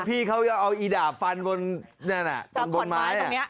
พี่เขาเอาอีดาฟันบนไม้